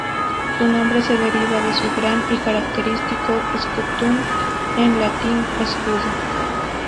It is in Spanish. Su nombre se deriva de su gran y característico "scutum", en latín: escudo.